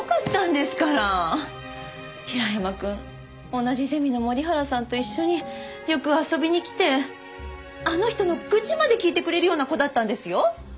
同じゼミの森原さんと一緒によく遊びに来てあの人の愚痴まで聞いてくれるような子だったんですよ。